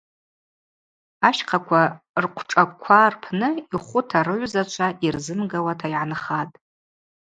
Ащхъаква рхъвшӏаква рпны йхвыта рыгӏвзачва йырзымгауата йгӏанхатӏ.